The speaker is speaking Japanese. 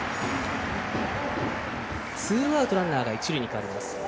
ツーアウトランナーが一塁に変わります。